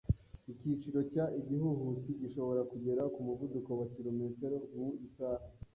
Icyiciro cya igihuhusi gishobora kugera ku muvuduko wa kilometero mu isaha.